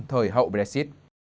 thời hậu brexit